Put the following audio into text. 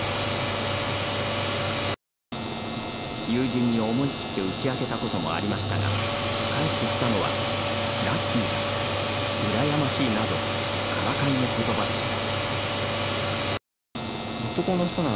友人に思い切って打ち明けたこともありましたが返ってきたのは「ラッキーじゃん」「うらやましい」などからかいのことばでした。